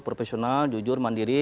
profesional jujur mandiri